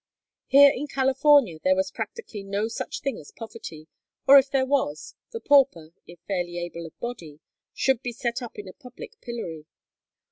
Here in California there was practically no such thing as poverty, or if there was, the pauper, if fairly able of body, should be set up in a public pillory.